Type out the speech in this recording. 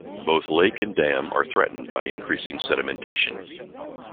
Both lake and dam are threatened by increasing sedimentation.